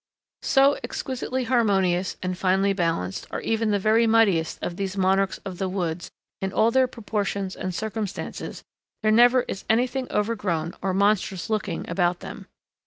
So exquisitely harmonious and finely balanced are even the very mightiest of these monarchs of the woods in all their proportions and circumstances there never is anything overgrown or monstrous looking about them.